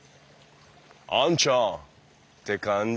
「あんちゃん！」って感じ？